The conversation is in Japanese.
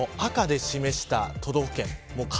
特に赤で示した都道府県。